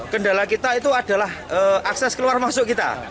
kendala kita itu adalah akses keluar masuk kita